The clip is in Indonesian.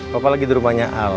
papa lagi di rumahnya al